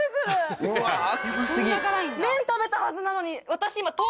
麺食べたはずなのに。